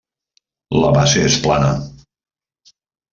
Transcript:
La base es plana.